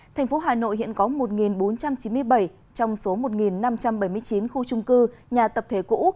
thành phố hà nội hiện có một bốn trăm chín mươi bảy trong số một năm trăm bảy mươi chín khu trung cư nhà tập thể cũ